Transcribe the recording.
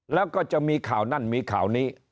แล้วก็จะมีข่าวนั่นมีข่าวนี้